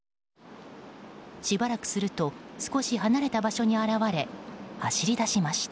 しばらくすると少し離れた場所に現れ走り出しました。